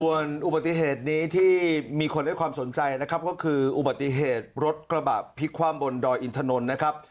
ส่วนอุบัติเหตุนี้ที่มีคนให้ความสนใจนะครับก็คืออุบัติเหตุรถกระบะพลิกความบนดอยอินทนนท์นะครับ